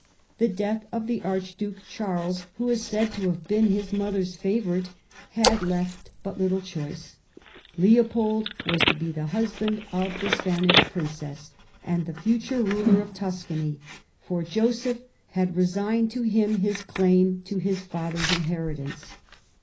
The death of the Archduke Charles (who is said to have been his mother's favourite) had left but little choice ; Leopold was to be the husband of the Spanish princess and the future ruler of Tuscany, for Joseph had resigned to him his claim to his father's inheritance.